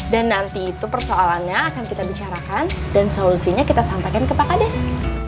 dan nanti itu persoalannya akan kita bicarakan dan solusinya kita sampaikan ke pak kades